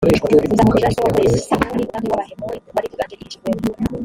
uzamugirira ibyo wakoreye sihoni umwami w’abahemori wari uganje i heshiboni.